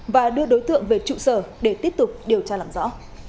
và đưa đối tượng về trụ sở để tiếp tục điều tra làm rõ